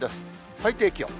最低気温。